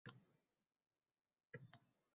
Tovuqlari shu kunlarda mingtadan oshdimi-ey…